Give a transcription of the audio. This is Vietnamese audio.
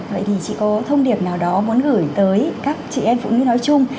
vậy thì chị có thông điệp nào đó muốn gửi tới các chị em phụ nữ nói chung